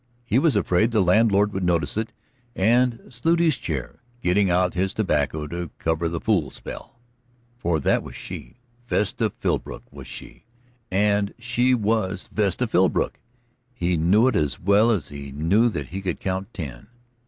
He was afraid the landlord would notice it, and slewed his chair, getting out his tobacco to cover the fool spell. For that was she, Vesta Philbrook was she, and she was Vesta Philbrook. He knew it as well as he knew that he could count ten.